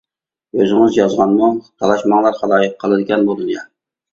ئۆزىڭىز يازغانمۇ؟ تالاشماڭلار خالايىق، قالىدىكەن بۇ دۇنيا!